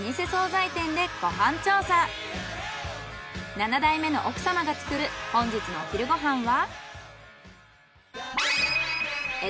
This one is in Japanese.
７代目の奥様が作る本日のお昼ご飯は？